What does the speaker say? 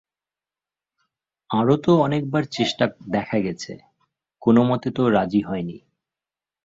আরো তো অনেকবার চেষ্টা দেখা গেছে, কোনোমতে তো রাজি হয় নি।